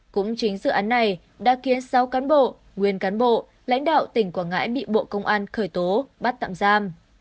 cũng chính dự án này đã khiến sáu cán bộ nguyên cán bộ lãnh đạo tỉnh quảng ngãi bị bộ công an khởi tố bắt tạm giam